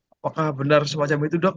apakah benar semacam itu dok